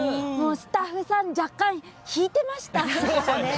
スタッフさん若干、引いてました。